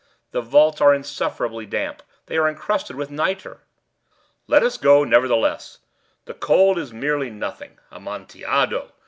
The vaults are insufferably damp. They are encrusted with nitre." "Let us go, nevertheless. The cold is merely nothing. Amontillado!